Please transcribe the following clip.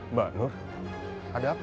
mbak nur ada apa